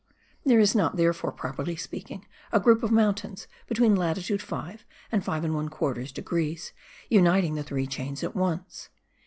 There is not, therefore, properly speaking, a group of mountains between latitude 5 and 5 1/4 degrees, uniting the three chains at once.